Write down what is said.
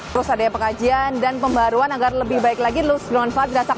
terus ada ya pekajian dan pembaruan agar lebih baik lagi lulus non fad